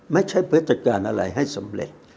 ไม่ใช่เพื่อจัดการอะไรให้สำเร็จ